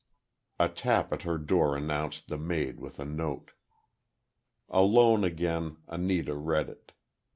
A tap at her door announced the maid with a note. Alone again, Anita read it.